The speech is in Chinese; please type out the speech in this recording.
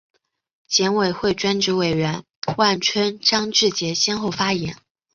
检委会专职委员万春、张志杰先后发言